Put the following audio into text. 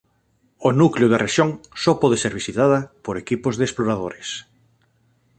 O núcleo da rexión só pode ser visitada por equipos de exploradores.